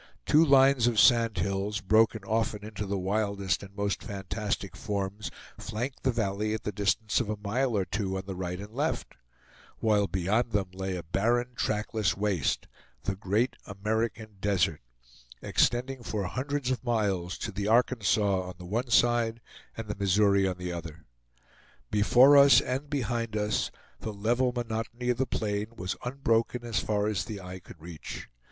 Two lines of sand hills, broken often into the wildest and most fantastic forms, flanked the valley at the distance of a mile or two on the right and left; while beyond them lay a barren, trackless waste The Great American Desert extending for hundreds of miles to the Arkansas on the one side, and the Missouri on the other. Before us and behind us, the level monotony of the plain was unbroken as far as the eye could reach.